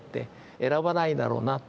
「選ばないだろうな」と。